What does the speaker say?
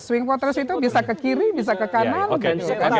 swing voters itu bisa ke kiri bisa ke kanan